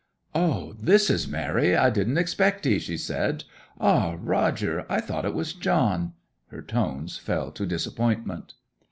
'O, this is merry; I didn't expect 'ee!' she said. 'Ah, Roger I thought it was John.' Her tones fell to disappointment.